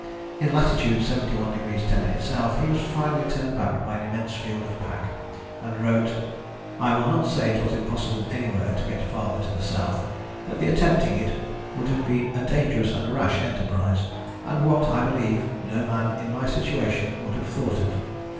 In latitude 71° 10´ S. he was finally turned back by an immense field of pack, and wrote: "I will not say it was impossible anywhere to get farther to the south; but the attempting it would have been a dangerous and rash enterprise, and what, I believe, no man in my situation would have thought of.